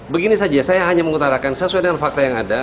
begini saja saya hanya mengutarakan sesuai dengan fakta yang ada